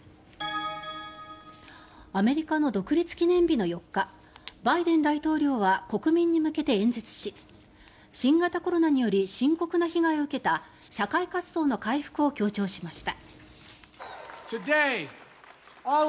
アメリカの独立記念日の４日バイデン大統領は国民に向けて演説し新型コロナにより深刻な被害を受けた社会活動の回復を強調しました。